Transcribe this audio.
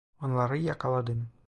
Onları yakaladım.